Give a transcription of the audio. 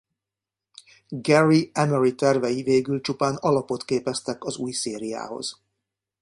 Garry Emery tervei végül csupán alapot képeztek az új szériához.